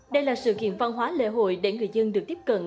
đây là sự kiện văn hóa lễ hội để người dân được tiếp cận